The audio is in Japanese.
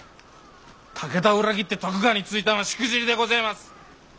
武田を裏切って徳川についたんはしくじりでごぜます。